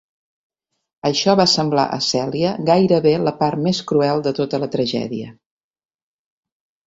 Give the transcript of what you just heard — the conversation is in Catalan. Això va semblar a Cèlia gairebé la part més cruel de tota la tragèdia.